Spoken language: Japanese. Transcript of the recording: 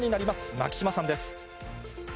牧島さんです。